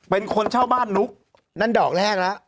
เป็นคนเช่าบ้านนุ๊กนั่นดอกแรกแล้ว